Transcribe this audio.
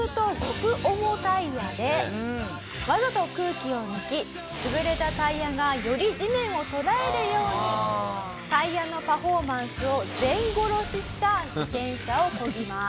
わざと空気を抜き潰れたタイヤがより地面を捉えるようにタイヤのパフォーマンスを全殺しした自転車をこぎます。